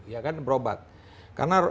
ya kan berobat karena